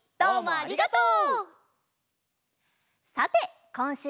ありがとう！